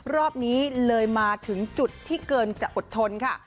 รอบนี้เลยมาถึงจุดที่เกินจะอดทนค่ะ